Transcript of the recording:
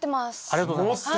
ありがとうございます。